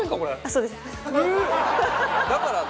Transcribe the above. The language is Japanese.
そうです。